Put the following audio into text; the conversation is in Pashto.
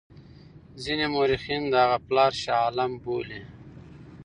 ځیني مورخین د هغه پلار شاه عالم بولي.